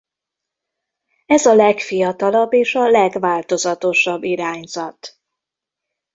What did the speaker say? Ez a legfiatalabb és a legváltozatosabb irányzat.